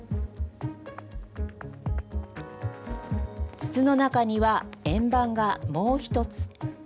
筒の中には、円盤がもう１つ。